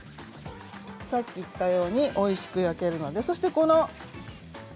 さっき言ったようにおいしく焼けますので。